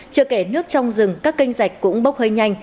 chưa kể nước trong rừng các kênh rạch cũng bốc hơi nhanh